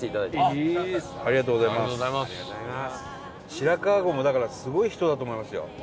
白川郷もだからすごい人だと思いますよ。